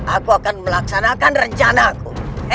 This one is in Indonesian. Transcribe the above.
aku akan melaksanakan rencana aku